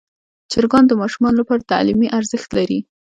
چرګان د ماشومانو لپاره تعلیمي ارزښت لري.